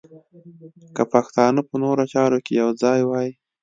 که پښتانه په نورو چارو کې یو ځای وای.